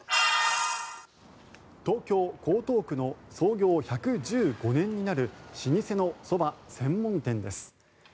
東京・江東区の創業１１５年になる老舗のそば専門店です。